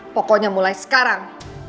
pokoknya mulai sekarang